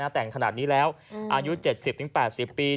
แต่งขนาดนี้แล้วอายุ๗๐๘๐ปี